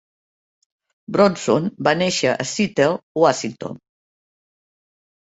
Bronson va néixer a Seattle, Washington.